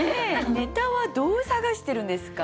ネタはどう探してるんですか？